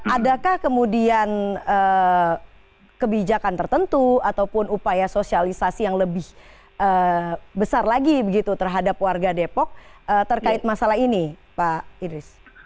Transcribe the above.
adakah kemudian kebijakan tertentu ataupun upaya sosialisasi yang lebih besar lagi begitu terhadap warga depok terkait masalah ini pak idris